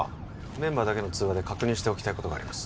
メンバーだけの通話で確認しておきたいことがあります